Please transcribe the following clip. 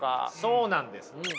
そうなんですよ。